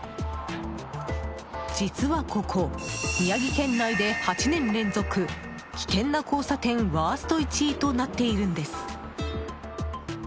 実はここ、宮城県内で８年連続危険な交差点ワースト１位となっているんです。